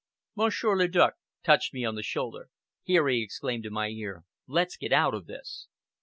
Monsieur le Duc touched me on the shoulder. "Here," he exclaimed in my ear, "let's get out of this!"